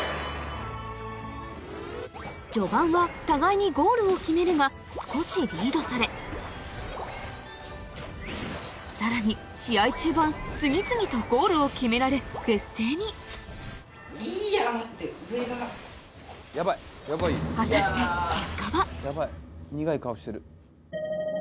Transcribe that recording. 序盤は互いにゴールを決めるが少しリードされさらに試合中盤次々とゴールを決められ劣勢にヤバい苦い顔してる。